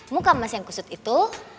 muka emas yang kusut itu